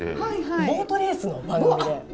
ボートレースの番組で。